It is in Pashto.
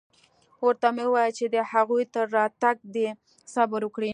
ورته مې وويل چې د هغوى تر راتگه دې صبر وکړي.